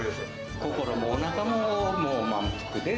心もおなかももう満腹で。